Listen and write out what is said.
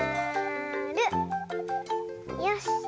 よし！